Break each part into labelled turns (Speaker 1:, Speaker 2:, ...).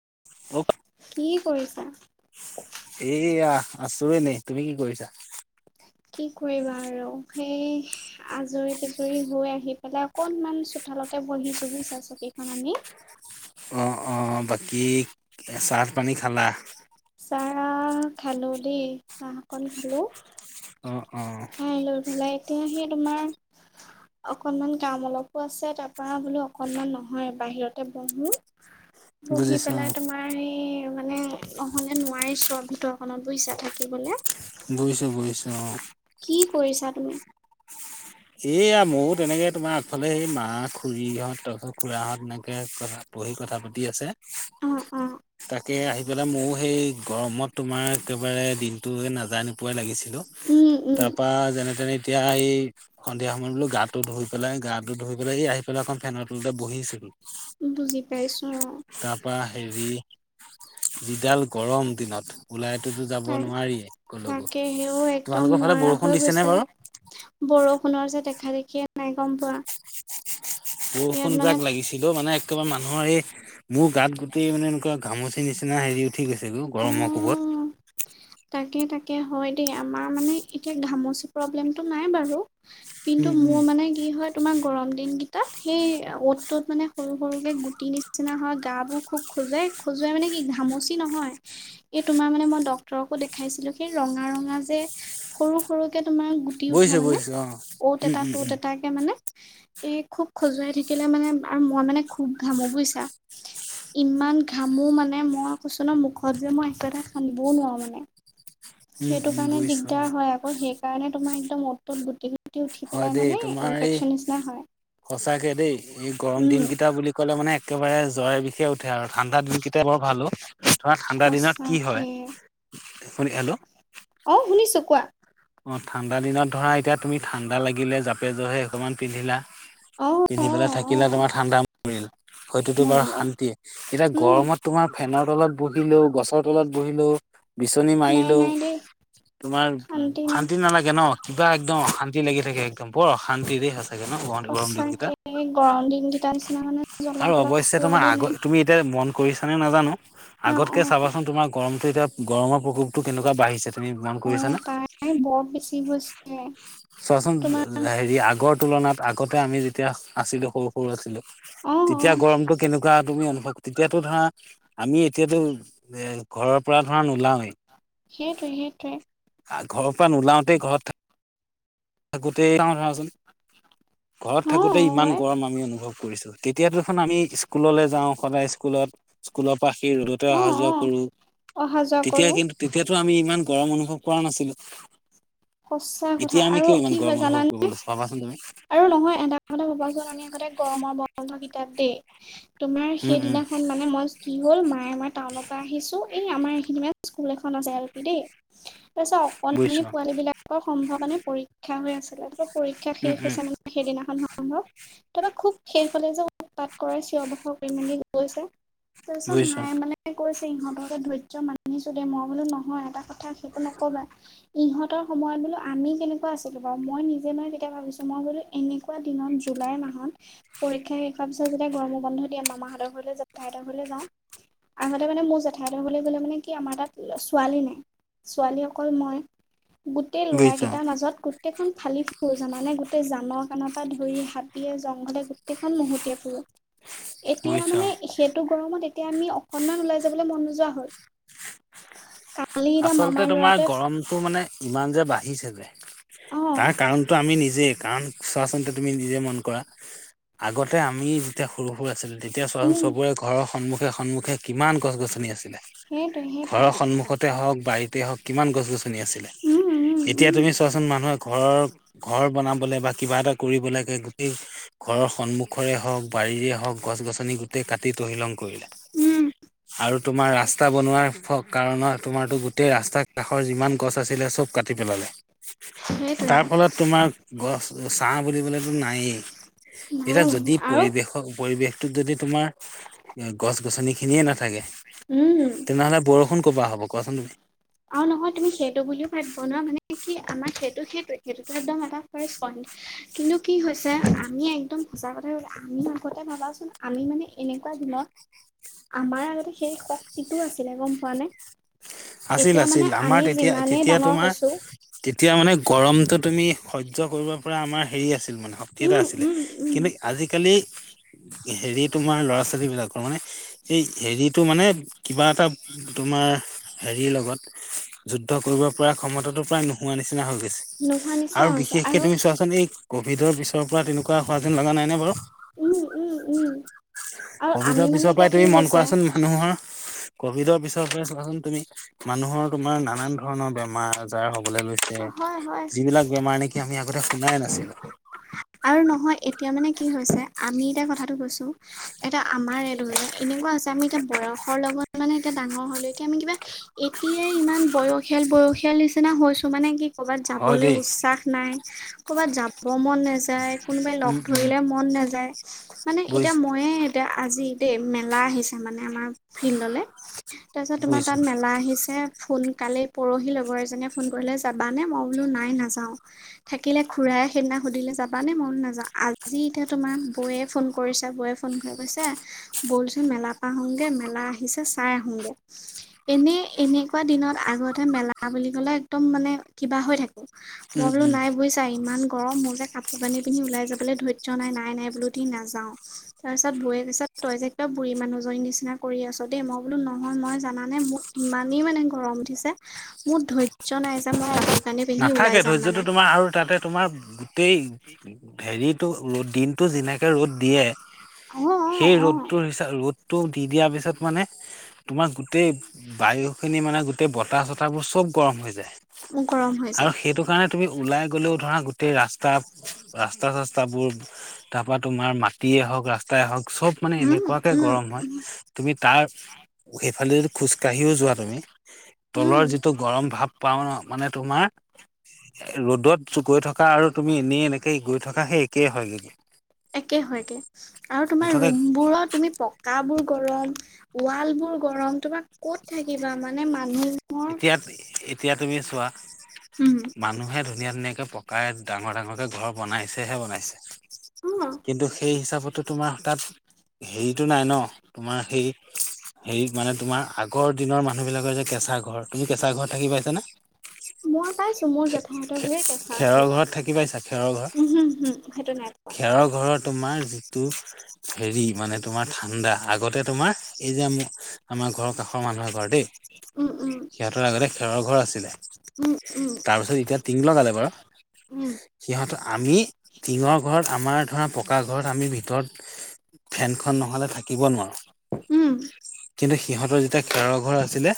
Speaker 1: [inaudible] [inaudible] অক্
Speaker 2: কি কৰিছা?
Speaker 1: এইয়া। আছোৱে এনেই। তুমি কি কৰিছা?
Speaker 2: কি কৰিবা আৰু সেই আজৰি পিজৰি হৈ আহি পেলাই অকনমান চু ফালতে বহিছোঁ বুইছা চকীখন আনি।
Speaker 1: অ অ বাকী চাহ পানী খালা?
Speaker 2: চাহ খালোঁ দেই চাহ অকণ খালোঁ।
Speaker 1: অ অ
Speaker 2: খাই লৈ পেলাই এতিয়া সেই তোমাৰ অকনমান কাম অলপো আছে তাৰপা বোলো অকনমান নহয় বাহিৰতে বহো। বহি
Speaker 1: বুজিছো অ
Speaker 2: পেলাই তোমাৰ সেই মানে নহলে চোৱাৰিছোঁ আউ ভিতৰখনত বোইছা থাকিবলে।
Speaker 1: বুজিছোঁ বুজিছো অ।
Speaker 2: কি কৰিছা তুমি?
Speaker 1: এয়া মইও তেনেকে তোমাৰ- ফালে সেই মা খুৰীহঁত ততে খুৰাহঁত এনেকে বহি কথা পাতি আছে।
Speaker 2: অ', অ',
Speaker 1: তাকে আহি পেলাই ময়ো সেই গৰমত তোমাৰ একেবাৰে দিনটো নাজানোপোৱাই লাগিছিল।
Speaker 2: উম, উম,
Speaker 1: তাৰ পৰা যেনে তেনে এতিয়া এই- সন্ধিয়া সময়ত বোলো গাটো ধুই পেলাই গাটো ধই পেলাই এই আহি পেলাই এখন ফেনৰ তলতে বহিছিলো-
Speaker 2: বুজি পাইছো অ',
Speaker 1: তাৰপা হেৰি- যিডাল গৰম দিনত- ওলাইতোতো যাব
Speaker 2: তাই
Speaker 1: নোৱাৰিয়ে কলকো
Speaker 2: তাকে সেও একদম
Speaker 1: তোমালোকৰ ফালে
Speaker 2: নোৱাৰা হৈ
Speaker 1: বৰষুণ দিছে। নে
Speaker 2: গৈছে
Speaker 1: বাৰু
Speaker 2: বৰষুণৰ যে দেখা দেখিয় নাই গম পোৱা। ইয়াত
Speaker 1: বৰষুণ
Speaker 2: মানে
Speaker 1: যাক লাগিছিল অ মানে একেবাৰে মানুহৰ এই মোৰ গাত গোটেই মানে এনেকুৱা ঘামচি নিচিনা হেৰি উঠি গৈছে গৈ
Speaker 2: অ
Speaker 1: গৰমৰ কোপত
Speaker 2: তাকে তাকে হয় দেই আমাৰ মানে এতিয়া ঘামচি প্ৰব্লেমটো নাই বাৰু কিন্তু
Speaker 1: উম উম
Speaker 2: মোৰ মানে কি হয়। তোমাৰ গৰম দিনকেইটাত সেই অত টত মানে সৰু সৰুকে গুটি নিচিনা হয় গা বোৰ খুব খোজুৱাই খোজুৱাই মানে কি ঘামচি নহয় এই তোমাৰ মানে মই ডক ডৰকো দেখাইছিলো সেই ৰঙা ৰঙা যে সৰু সৰুকে তোমাৰ গুটি উঠে
Speaker 1: বৈছো
Speaker 2: মানে
Speaker 1: বৈছো অ
Speaker 2: অত
Speaker 1: উম
Speaker 2: এটা
Speaker 1: উম উম
Speaker 2: ত'ত এটাকে মানে- কি খুব খজুৱাই থাকিলে মানে আৰু মই মানে খুব ঘামো বুইছা। ইমান ঘামো মানে মই কৈছো ন মুখত যে মই একো এটা হনিবও নোৱাৰো মানে।
Speaker 1: উম
Speaker 2: সেইটো
Speaker 1: উম
Speaker 2: কাৰণে
Speaker 1: বুজিছো অ
Speaker 2: দিগদাৰ হয় আকৌ সেই কাৰণে তোমাৰ একদম অত তত গুতি- ফুটি উঠি
Speaker 1: হয়
Speaker 2: পেলাই
Speaker 1: দেই
Speaker 2: মানে
Speaker 1: তোমাৰ এই
Speaker 2: ইনফেকশচন নিচিনা হয়।
Speaker 1: সঁচাকে দেই এই গৰম দিন
Speaker 2: উম
Speaker 1: কেইটা বুলি ক'লে মানে। একেবাৰে জয়ৰে বিষে উঠে আৰু ঠাণ্ডা দিনকেইটা বৰ ভালো। তমাৰ ঠাণ্ডা দিনত কি হয়
Speaker 2: সঁচাকে
Speaker 1: শুনি হেল্ল
Speaker 2: অ শুনিছো কোৱা?
Speaker 1: অ ঠাণ্ডা দিনত ধৰা এতিয়া তুমি ঠাণ্ডা লাগিলে জাপে জহে অকণমান পিন্ধিলা।
Speaker 2: অ অ
Speaker 1: পিন্ধি পেলাই
Speaker 2: অ
Speaker 1: থাকিলে তোমাৰ ঠাণ্ডা পৰিল। হয়ততো বাৰু
Speaker 2: মৰিলে
Speaker 1: শান্তিয়ে এতিয়া
Speaker 2: উম
Speaker 1: গৰমত তোমাৰ ফেনৰ তলত বহুত- বহিলোঁ গছৰ তলত বহিলো বিচনী
Speaker 2: নাই
Speaker 1: মাৰিলো
Speaker 2: নাই দেই
Speaker 1: তোমাৰ শান্তি নালাগে ন কিবা একদম শান্তি লাগি থাকে একদম বৰ শান্তি দ স আ চাগে ন বৰম দিন কেইটা।
Speaker 2: সঁচাকে গৰম দিন কেইটা নিচিনা মানে জ্বলা অলা খোৱ দ নাই।
Speaker 1: কৰিছ নে নাজানো
Speaker 2: অ অ
Speaker 1: আগতকে চাবাচোন তোমাৰ গৰমতটো এতিয়া গৰমৰ প্ৰকোপটো কেনেকুৱা বাঢ়িছে তুমি মন কৰিছা না
Speaker 2: ন বৰত বেছি হৈছে।
Speaker 1: চোৱাচোন
Speaker 2: তোমাৰ
Speaker 1: হেৰি আগৰ তুলনাত আগতে আমি যেতিয়া আছ। সৰু সৰু আছিলো
Speaker 2: অ অ
Speaker 1: তেতিয়া গৰমতটো কেনেকুৱা তুমি অনুভৱ তেতিয়াতো ধৰা- আমি এতিয়াতো এ ঘৰৰ পৰা ধৰা ওলাওৱেই।
Speaker 2: সেইটোৱে সেইটোৱে-
Speaker 1: ঘৰৰ পৰা নোলাওঁতে ঘৰত থাক। থাকোতেই চ ধৰাচোন ঘৰত
Speaker 2: অ
Speaker 1: থাকোতে ইমান গৰম আমি অনুভৱ কৰিছো এতিয়াতোন আমি স্কুললৈ যাওঁ সদায় স্কুলত স্কুলত- পাখি ৰ'দতে
Speaker 2: অ অ
Speaker 1: অহা
Speaker 2: অ
Speaker 1: যোৱা কৰোঁ।
Speaker 2: অহা যোৱা
Speaker 1: তেতিয়া
Speaker 2: কৰো
Speaker 1: কিন্তু তেতিয়াতো আমি ইমান গৰম অনুভৱ কৰা নাছিলো।
Speaker 2: সঁচা কথা।
Speaker 1: এতিয়া আমি
Speaker 2: আৰু
Speaker 1: কিয় ইমান
Speaker 2: কি
Speaker 1: গৰম
Speaker 2: হয়
Speaker 1: অনুভৱ কৰিব
Speaker 2: জানানে
Speaker 1: লৈছো ভাবাচোন তুমি
Speaker 2: আৰু নহয় এটা কথা ভবাচোন আমি আগতে গৰমৰ ব কিতাপ দেই তোমাৰ
Speaker 1: উম উম
Speaker 2: সেইদিনাখন মানে মই কি হ'ল ম- আমাৰ টাউনৰ পৰা আহিছো এই আমাৰ এইখিনি স্কুল এখন আছে এল পি দেই তাৰ পিছত
Speaker 1: বুজিছো
Speaker 2: অকমানি পোৱালী বিলাক- সম্ভৱ মানে পৰীক্ষা হৈ আছিলে পৰীক্ষা
Speaker 1: উম
Speaker 2: শেষ
Speaker 1: উম
Speaker 2: হৈছে মানে সেইদিনাখন- সম্ভৱ তাৰপৰা খুব সেইফালে যে উৎপাত কৰা চিঞৰ বাখৰ কৰি মানে গৈছে তাৰপিছত
Speaker 1: বুজিছো
Speaker 2: মাই মানে কৈছে ইহঁতক ধাৰ্য্য মানিছো দেই মই বোলো নহয় এটা কথা কথা সেইটো নকবা ইহঁতৰ সময়ত বোলো আমি কেনেকুৱা আছিলোঁ বাৰু মই নিজে মানে তেতিয়া ভাবিছোঁ মই বোলো এনেকুৱা দিনত জুলাই মাহত পৰীক্ষা শেষ হোৱাৰ পিছত যেতিয়া গৰমো বন্ধ দিয়ে মামাহঁতৰ ঘৰলে যাওঁ জেঠাইহতঁৰ ঘৰলে যাওঁ আগতে সেইটো কাৰণে মোৰ জেঠাই হ'বলৈ গ'লে মানে কি আমাৰ তাত ছোৱালী নাই ছোৱালী অকল মই গোটেই
Speaker 1: বুজিছো
Speaker 2: ল'ৰাকেইটাৰ মাজতো গোটেইখন খালি ফুৰোঁ মানে গোটেই জানৰ কাৰ পৰা ধৰি হাবিয়ে জংঘলে গোটেইখন মোহতীয়া ফুৰে এতিয়া
Speaker 1: বুজিছো
Speaker 2: মানে সেইটো গৰমত এ এতিয়া আমি অকনমান ওলাই যাবলৈ মন নোযোৱা হল কা
Speaker 1: আচলতে তোমাৰ গৰমতটো মানে ইমান যে বাঢ়িছে যে
Speaker 2: অ
Speaker 1: তাৰ কাৰণটো আমি নিজেই কাৰণ চোৱা তুমি নিজে মন কৰা আগতে আমি যেতিয়া সৰু সৰু আছিলো তেতিয়া চোৱাচোন
Speaker 2: উম
Speaker 1: চবৰে ঘৰৰ সন্মুখে সন্মুখে কিমান গছ গছনি আছে
Speaker 2: সেইটোৱে
Speaker 1: ঘৰৰ
Speaker 2: সেইটোৱে
Speaker 1: সন্মুখত বাৰীতে হক কিমান গছ গছনি আছিলে
Speaker 2: উম উম
Speaker 1: এতিয়া
Speaker 2: উম
Speaker 1: তুমি চোৱাচোন মানুহে ঘৰৰ ঘৰ বনাবলে বা কিবা এটা কৰিব লাগে গোটেই ঘৰৰ সন্মুখৰে হওঁক বাৰীৰে হওঁক গছ গছনি গোটেই কাটি তহিলং কৰিলে
Speaker 2: উম
Speaker 1: আৰু তোমাৰ ৰাস্তা বনোৱাৰ ফল কাৰণত তোমাৰতো গোটেই ৰাস্তাৰ কাষৰ যিমান গছ আছিলে চব কাটি পেলালে
Speaker 2: সেইটোৱে
Speaker 1: তাৰ ফলত তোমাৰ গছ চাহ বুলিবলে তো নাই
Speaker 2: নাই
Speaker 1: এতিয়া যদি
Speaker 2: নাই আৰু
Speaker 1: পৰিৱেশৰ পৰিৱেশটো যদি তোমাৰ গছ গছনি খিনিয়ে নাথাকে
Speaker 2: উম
Speaker 1: তেনেহলে বৰষুণ কপা হ'ব কোৱা চোন তুমি
Speaker 2: আৰু নহয় তুমি সেইটো বুলিও ভাবিব ন মানে কি আমাৰ সেইটো সেই সেইটোতো একদম এটা ফাষ্ট ক কিন্তু কি হৈছে আমি একদম সঁচা কথা কবলৈ গলে আমি আগতে ভাবাচোন আমি মানে এনেকুৱা তেনেকা দিনত আমাৰ আগতে সেই শক্তিটো আছিলে গম পোৱা নে
Speaker 1: আছিল
Speaker 2: এতিয়া মানে
Speaker 1: আছিল আমাৰ
Speaker 2: আমি
Speaker 1: তেতিয়া
Speaker 2: যিমানেই
Speaker 1: তেতিয়া
Speaker 2: ডাঙৰ
Speaker 1: তোমাৰ
Speaker 2: হৈছো
Speaker 1: তেতিয়া মানে গৰমটো তুমি স সৰ্য্য কৰিব পৰা আমাৰ হেৰি আছিল মানে শক্তি এটা
Speaker 2: উম
Speaker 1: আছিলে
Speaker 2: উম উম
Speaker 1: কিন্তু আজিকালি হেৰি তোমাৰ ল'ৰা-ছোৱালী বিলাকৰ মানে এই হেৰিতটো মানে কিবা এটা তোমাৰ। হেৰিৰ লগত যুদ্ধ কৰিব পৰা ক্ষমতাটো প্ৰায় নোহোৱা নিছিনাই। নিচিনা হৈ গৈছে
Speaker 2: নোহোৱা নিচিনা
Speaker 1: আৰু
Speaker 2: হৈছে
Speaker 1: বিশেষকে
Speaker 2: আৰু
Speaker 1: তুমি চোৱাচোন এই ক'ভিডৰ পিছৰ পৰা তেনেকুৱা হোৱা যেন লগা নাইনে বাৰু।
Speaker 2: উম উম উম আৰু আমি
Speaker 1: কভিডৰ
Speaker 2: মানে
Speaker 1: পিছৰ
Speaker 2: এতিয়া
Speaker 1: পৰাই
Speaker 2: কি
Speaker 1: তুমি মন
Speaker 2: হৈছে
Speaker 1: কৰাচোন মানুহৰ কভিডৰ পিছৰ চাবাচোন তুমি, মানুহৰ তোমাৰ নানান ধৰণৰ বেমাৰ-আজাৰ হ'ব। বোলে
Speaker 2: অ
Speaker 1: লৈছে
Speaker 2: হয় হয়
Speaker 1: যিবিলাক বেমাৰ নেকি, আমি আগতে শুনাই নাছিলো।।
Speaker 2: আৰু নহয় এতিয়া মানে কি হৈছে, আমি এতিয়া কথাটো কৈছো এটা আমাৰ এ ধৰিল' এনেকুৱা আছে আমি এতিয়া বয়সৰ লগত মানে এতিয়া ডাঙৰ হ'লে এতিয়া মানে কিবা এতিয়াই ইমান বয়সীয়াল বয়সীয়াল নিচিনা হৈছো মানে কি। কৰ'বাত
Speaker 1: হয়
Speaker 2: যাবলৈ
Speaker 1: দেই
Speaker 2: উচ্চাস নাই, কৰ'বাত যাব মন নাযায়। য়ায় কোনোবাই লগ
Speaker 1: উম উম
Speaker 2: ধৰিলে মন নাযায়, মানে এতিয়া
Speaker 1: বুজিছো
Speaker 2: মইয়ে এতিয়া আজি দেই। মেলা আহিছে মানে আমাৰ ফিল্ডলে তাৰপিছত তোমাৰ
Speaker 1: বুজিছো
Speaker 2: তাত মেলা আহিছে, সোনকালে পৰহি লগৰ এজনে ফোন কৰিলে যাবানে, মই বোলো নাই নাযাওঁ থাকিলে, খুড়াই সেইদিনা সুধিলে যাবা মানে মন নাযায়, আজি এতিয়া তোমাৰ বৌয়ে ফোন কৰিছে, বৌয়ে ফোন কৰে কৈছে বলচোন। মেলা পা আহোগে, মেলা আহিছে চাই আহোগে। এনে এনেকুৱা দিনত আগতেহে মেলা অহ বুলি কলে একদম মানে কিবা হৈ থাকো। মই
Speaker 1: উম
Speaker 2: বোলো
Speaker 1: উম
Speaker 2: নাই বুজিছা ইমান গৰম মোৰ যে কাপোৰ কাপোৰ পিন্ধি ওলাই যাবলৈ ধৈৰ্য্য নাই, নাই-নাই বোলো দেই নাযাওঁ, তাৰ পিছত বৌয়ে কৈছে তই যে একদম বু এই মানুহজনীৰ নিচিনা কৰি আছো দেই। মই বোলো নহয় মই জান নে মোৰ ইমানেই মানে গৰম উঠিছে। মোৰ ধৈৰ্য্য নাই যে মই কাপোৰ কানি পিন্ধি ওলাই
Speaker 1: নাথাকে
Speaker 2: যাম
Speaker 1: ধৈৰ্য্যটো
Speaker 2: মানে।
Speaker 1: তোমাৰ আৰু তাতে তোমাৰ গোটেই হেৰিতো ৰদ দিনতটো যেনেকে ৰ'দ দিয়ে।
Speaker 2: অ', অ',
Speaker 1: সেই
Speaker 2: অ',
Speaker 1: ৰ'দটোৰ হিচাপত ৰ'দটো দি দিয়াৰ পিছত মানে তোমাৰ গোটেই বায়ু খিনি মানে গোটেই বতাহ-চতাহ বোৰ চব গৰম হৈ যায়।
Speaker 2: মোৰ গৰম হৈ
Speaker 1: আৰু
Speaker 2: যায়।
Speaker 1: সেইটো কাৰণে তুমি ওলাই গ'লেও ধৰা গোটেই ৰাস্তা-ৰাস্তা ৰাস্তা-চাস্তা বোৰ তাৰ পৰা তোমাৰ মাটিয়ে হওঁক, ৰাস্তাই হওঁক চব মানে
Speaker 2: উম,
Speaker 1: এনেকুৱাকে
Speaker 2: উম,
Speaker 1: গৰম হয়, তুমি তাৰ সেইফালে খোজ কাঢ়িও যোৱা তুমি তলৰ
Speaker 2: উম।
Speaker 1: যিটো গৰম ভাৱ পাও ন'। মানে তোমাৰ ৰ'দত গৈ থকা আৰু তুমি এনেই এনেকে গৈ থকা সেই একেই হয় কিন্তু
Speaker 2: একে হয়গে আৰু তোমাৰ ৰুম বোৰৰ তুমি পকা বোৰ গৰম ৱাল বোৰ গৰম, তোমাৰ ক'ত থাকিবা মানে মানুহ
Speaker 1: এতিয়া, এতিয়া তুমি চোৱা
Speaker 2: উম।
Speaker 1: মানুহে ধুনীয়া, ধুনীয়াকে পকাই ডাঙৰ, ডাঙৰকে ঘৰ বনাইছেহে, বনাইছে
Speaker 2: অ
Speaker 1: কিন্তু সেই হিচাপেত তোমাৰ তাত হেৰিতটো নাই ন তোমাৰ সেই হেৰি মানে তোমাৰ আগৰ দিনৰ মানুহ বিলাকৰ যে কেঁচা ঘৰ। ঘৰ তুমি কেঁচা ঘৰত থাকি পাইছ নে?
Speaker 2: মই পাইছো মোৰ জেঠাইহঁতৰ ঘৰ কেঁচা আছিলে।
Speaker 1: ঘৰত থাকি পাইছা
Speaker 2: উম' হম-হম সেইটো নাই পোৱা
Speaker 1: আৰু ঘৰত তোমাৰ যিটো হেৰি মানে তোমাৰ ঠাণ্ডা আগতে তোমাৰ এই যে আমাৰ ঘৰৰ কাষৰ মানুহৰ ঘৰ দেই।
Speaker 2: উম উম
Speaker 1: সিহঁতৰ আগতে খেৰৰ ঘৰ আছিলে
Speaker 2: উম
Speaker 1: তাৰ পিছত এতিয়া টিং লগালে বাৰু
Speaker 2: উম'।
Speaker 1: সিহঁত আমি টিঙৰ ঘৰত আমাৰ ধৰা পকা ঘৰত আমি ভিতৰত ফেনখন নহ'লে থাকিব নোৱাৰো।
Speaker 2: উম'।
Speaker 1: কিন্তু সিহঁতৰ যেতিয়া খেৰৰ ঘৰ আছিলে।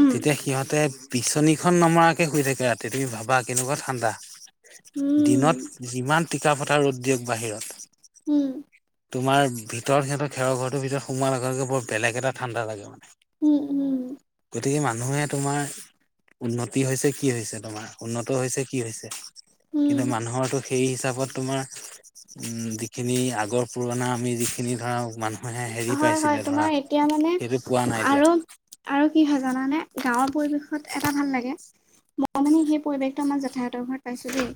Speaker 2: উম উম
Speaker 1: তেতিয়া সিহঁতে বিচনীখন নমাৰৰাকে শুই থাকে ৰাতি, তুমি ভাবা কেনেকুৱা ঠাণ্ডা। দিনত
Speaker 2: উম'।
Speaker 1: যিমান টীকা ফটা ৰ'দ দিয়ক বাহিৰত
Speaker 2: উম
Speaker 1: তোমাৰ ভিতৰত সিহঁতৰ খেৰৰ ঘৰটোৰ ভিতৰত সোমোৱাৰ নগকে বৰ বেলে এটা ঠাণ্ডা লাগে মানে।
Speaker 2: উম উম উম
Speaker 1: গতিকে মানুহে তোমাৰ উন্নতি হৈছে কি হৈছে, তোমাৰ উন্নত হৈছে কি হৈছে।
Speaker 2: উম
Speaker 1: কিন্তু মানুহৰো সেই হিচাপত তোমাৰ উম যিখিনি আগৰ পুৰণা আমি যিখিনি ধৰা মানুহ, মে হেৰি
Speaker 2: হয় হয়
Speaker 1: পাইছিলে ধৰা,
Speaker 2: তোমাৰ এতিয়া মানে
Speaker 1: সেইটো পোৱা নাই এতিয়া।
Speaker 2: আৰু আৰু কি হয় জানানে গাঁৱৰ পৰিৱেশত এটা ভাল লাগে। মই মানে সেই পৰিৱেশটো আমাৰ জেঠাইহঁতৰ ঘৰত পাইছো দেই।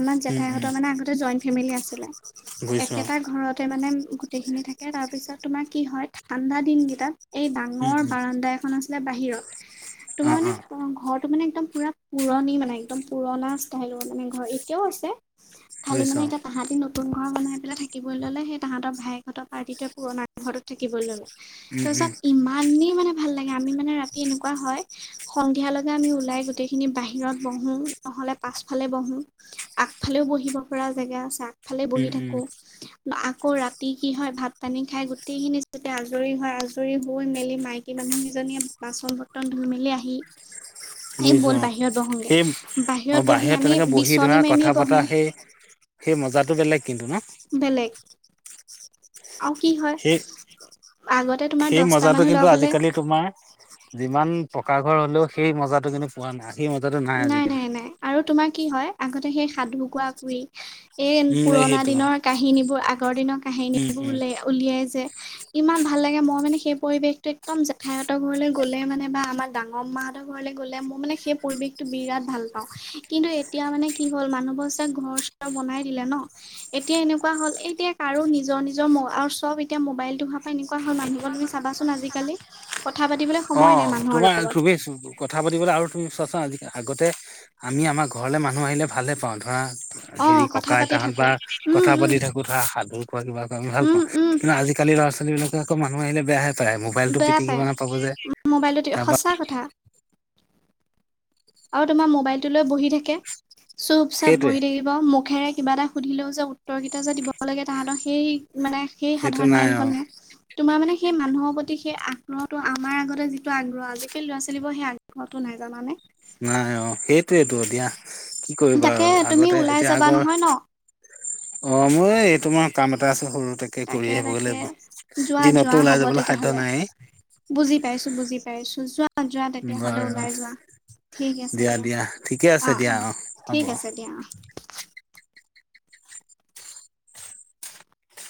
Speaker 2: আমাৰ
Speaker 1: উম উম
Speaker 2: জেঠাইহঁতৰ মানে আগতে জইণ্ট ফেমিলি আছিলে।
Speaker 1: বুজিছো অ
Speaker 2: একেটা ঘৰতে মানে গোটেইখিনি থাকে। তাৰপিছত তোমাৰ কি হয়, ঠাণ্ডা দিন কেইটাত এই
Speaker 1: উম
Speaker 2: ডাঙৰ
Speaker 1: উম
Speaker 2: বাৰাণ্ডা এখন আছিলে বাহিৰত,
Speaker 1: অ
Speaker 2: তোমাৰ মানে
Speaker 1: অ
Speaker 2: ঘৰ- টো মানে একদম পুৰা পুৰণি মানে একদম পুৰণা ষ্টাইলৰ মানে ঘৰ এতিয়াও আছে। খালি মানে
Speaker 1: বুজিছো অ
Speaker 2: এতিয়া তাহাঁতি নতুন ঘৰ বনাই পেলাই থাকিবলৈ ললে, সেই তাহাঁতৰ ভাইয়েকহঁতৰ পাৰ্টিটোৱে পুৰণা থাকিবলৈ ললে।
Speaker 1: উম
Speaker 2: তাৰপিছত
Speaker 1: উম
Speaker 2: ইমানেই মানে ভাল লাগে আমি মানে ৰাতি এনেকুৱা হয়, সন্ধিয়া লগে আমি ওলাই গোটেই খিনি বাহিৰত বহো, নহ'লে পাছফালে বহো, আগফালেও বহিব পৰা জেগা আছে। আগ- ফালে বহি
Speaker 1: উম উম
Speaker 2: থাকো। আকৌ ৰাতি কি হয় ভাত পানী খাই গ- গোটেইখিনি যাতে আজৰি হয়, আজৰি হৈ মেলি মাইকী মানুহকেইজনীয়ে বাচন বৰ্তন ধুই মেলি আহি
Speaker 1: হয় [unintelligible]
Speaker 2: এই
Speaker 1: বুজিছো
Speaker 2: ব'ল
Speaker 1: অ।
Speaker 2: বাহিৰত বহোগে
Speaker 1: সেই অ
Speaker 2: বহি
Speaker 1: বাহিৰত
Speaker 2: আমি
Speaker 1: তেনেকে বহি
Speaker 2: বিচনী
Speaker 1: ধৰা
Speaker 2: মাৰি
Speaker 1: কথা
Speaker 2: মাৰি বহো
Speaker 1: পতৰা সেই সেই মজাটো বেলেগ কিন্তু ন?
Speaker 2: বেলেগ আৰু কি হয়
Speaker 1: সেই
Speaker 2: আগতে তোমাৰ
Speaker 1: সেই
Speaker 2: দহটা
Speaker 1: মজাটো
Speaker 2: মানুহ
Speaker 1: কিন্তু
Speaker 2: লগ হ'লে
Speaker 1: আজিকালি তোমাৰ যিমান পকা ঘৰ হলেও সেই মজাটো কিন্তু পোৱা নাই। সেই মজাটো
Speaker 2: নাই
Speaker 1: আজিকালি
Speaker 2: নাই নাই আৰু তোমাৰ কি হয় আগতে সেই সাধু কোৱা কৰি, এই
Speaker 1: উম
Speaker 2: পুৰণা
Speaker 1: সেইটো
Speaker 2: দিনৰ কাহিনী বোৰ, আগৰ দিনৰ
Speaker 1: উম
Speaker 2: কাহিনীবোৰ
Speaker 1: উম
Speaker 2: উলিয় উলিয়াই যে, ইমান ভাল লাগে। মই মানে সেই পৰিৱেশটো একদম জেঠায়তৰ ঘৰলে গ'লে মানে বা আমাৰ ডাঙৰ মাহ ঘৰ গলে মোৰ মানে সেই পৰিৱেশ বিৰাট ভাল পাও। কিন্তু এতিয়া মানে কি হ'ল মানুহবাক ঘৰ চ বনাই দিলে ন, এতিয়া এনেকুৱা হ'ল, এতিয়া কাৰো নিজৰ নিজৰ ম আৰু চব এতিয়া মোবাইলটো হোৱাৰ পৰা এনেকুৱা হ'ল মুহবোৰ তুমি চা- চোন আজিকালি। কথা পাতিবলৈ
Speaker 1: অ
Speaker 2: সময় নাই মানুহৰ
Speaker 1: তোমাৰ
Speaker 2: লগত
Speaker 1: চুই [unintelligible] আছো কথা পাতিবলৈ আৰু ু চচা আজ আগতে আমি আমাৰ ঘৰলৈ মানুহ আহিলে ভালে পাওঁ। ধৰা, [unintelligible]
Speaker 2: অ
Speaker 1: হেৰি
Speaker 2: কথা
Speaker 1: ককা আইতা
Speaker 2: পাতি
Speaker 1: হত
Speaker 2: থাকো
Speaker 1: বা
Speaker 2: উম
Speaker 1: কথা
Speaker 2: উম
Speaker 1: পাতি থাকো ধৰা সাধুৰ পৰা কিবা আমি ভাল
Speaker 2: উম,
Speaker 1: পাওঁ,
Speaker 2: উম,
Speaker 1: কিন্তু আজিকালি ল'ৰা ছোৱালী [unintelligible] ছোৱালী বিলাকক আকৌ মানুহ আহিলে বেয়া পায়, মোবাইলটো পিটিকিব নাপাব যে।
Speaker 2: মোবাইলটোত
Speaker 1: তাৰপা
Speaker 2: সঁচা কথা। আৰু তোমাৰ মোবাইলটোলৈ বহি থাকে। চুপ চাপ
Speaker 1: সেইটোৱে
Speaker 2: বহি থাকিব, মুখেৰে কিবা এটা সুধিলেও যে উত্তৰ কেইটা যে দিব লাগে তাহাঁতৰ সেই মানে সেই
Speaker 1: সেইটো
Speaker 2: সাধাৰণ
Speaker 1: অ
Speaker 2: জ্ঞানকন নাই। তোমাৰ মানে সেই মানুহৰ প্ৰতি তি সেই আগ্ৰহটো আমাৰ আগতে যিটো আগ্ৰহ আজিকালি ল'ৰা ছোৱালীবোৰ সেই আগ্ৰহটো নাই জানানে।
Speaker 1: নাই অ সেইটোৱেতো দিয়া কি কৰিবা
Speaker 2: তাকে
Speaker 1: আৰু
Speaker 2: তুমি
Speaker 1: আগতে
Speaker 2: ওলাই
Speaker 1: এতিয়া
Speaker 2: যাবা
Speaker 1: আগৰ
Speaker 2: নহয় ন
Speaker 1: অ মোৰ এই তোমাৰ কাম এটা আছিল সৰু তাকে কৰি আহিব লাগিব।
Speaker 2: যোৱা যোৱা
Speaker 1: দিনতটো ওলাই
Speaker 2: হ'ব
Speaker 1: যাবলৈ সাধ্য
Speaker 2: তেতিয়াহ'লে
Speaker 1: নাই। ন [unintelligible]
Speaker 2: বুজি পাইছো বুজি পাইছো যোৱা যোৱা তেতিয়াহলে
Speaker 1: বাৰু
Speaker 2: ওলাই যোৱা। ঠিক আছে দিয়া অ অ ঠিক আছে দিয়া অ।